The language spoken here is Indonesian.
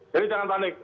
jadi jangan panik